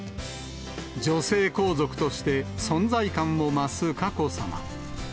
女性皇族として、存在感を増す佳子さま。